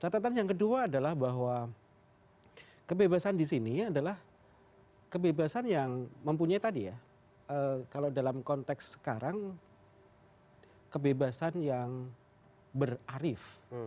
catatan yang kedua adalah bahwa kebebasan di sini adalah kebebasan yang mempunyai tadi ya kalau dalam konteks sekarang kebebasan yang berarif